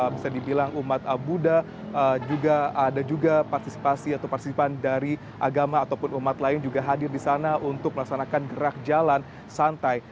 bisa dibilang umat buddha juga ada juga partisipasi atau partisipan dari agama ataupun umat lain juga hadir di sana untuk melaksanakan gerak jalan santai